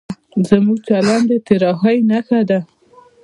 زموږ چلند د ترهې نښه ده.